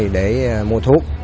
để mua thuốc